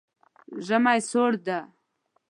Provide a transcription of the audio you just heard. ژمی سوړ ده